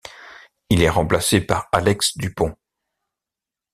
Il est remplacé par Alex Dupont.